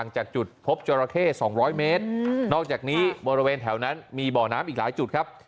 จากจุดพบจราเข้๒๐๐เมตรนอกจากนี้บริเวณแถวนั้นมีบ่อน้ำอีกหลายจุดครับ